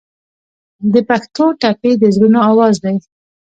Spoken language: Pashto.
د پښتو ټپې د زړونو اواز دی.